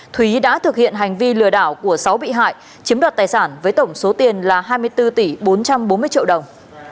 thúy đã thực hiện hành vi lừa đảo của sáu bị hại chiếm đoạt tài sản với tổng số tiền là hai mươi bốn tỷ bốn trăm bốn mươi triệu đồng